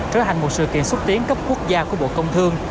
trở thành một sự kiện xúc tiến cấp quốc gia của bộ công thương